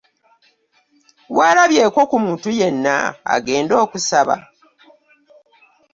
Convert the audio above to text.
Walabyeko ku muntu yenna agenda okusaba?